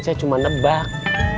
saya cuma nebak